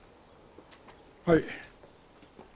はい。